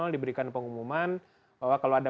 diberikan pengumuman bahwa kalau ada